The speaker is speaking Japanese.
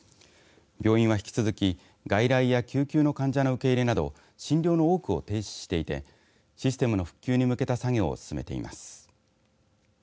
病院は引き続き外来や救急の患者の受け入れなど診療の多くを停止していてシステムの復旧に向けた作業を進めています。